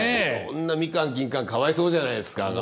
そんな蜜柑金柑かわいそうじゃないですか。